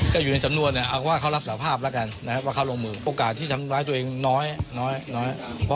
ก็อยู่ในสำนวนเอาว่าเขารับสรรภาพแล้วกันนะครับ